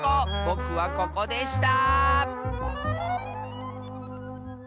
ぼくはここでした！